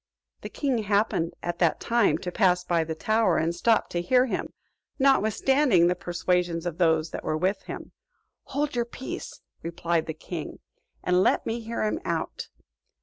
The king happened at that time to pass by the tower; and stopped to hear him, notwithstanding the persuasions of those that were with him; "Hold your peace," replied the king, "and let me hear him out."